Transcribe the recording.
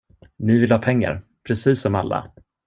Ni vill ha pengar, precis som alla...